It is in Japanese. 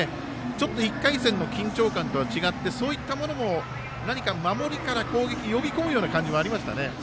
ちょっと１回戦の緊張とは違ってそういったものも何か守りから攻撃呼び込むような感じありましたね。